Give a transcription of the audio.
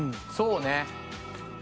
そうね。